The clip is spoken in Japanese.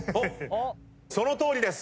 そのとおりです！